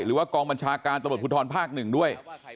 หรือว่ากองบัญชาการตะบดพุทธรภาคหนึ่งด้วย